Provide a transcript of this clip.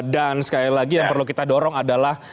sekali lagi yang perlu kita dorong adalah